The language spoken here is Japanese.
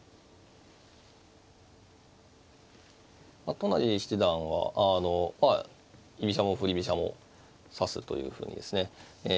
都成七段は居飛車も振り飛車も指すというふうにですね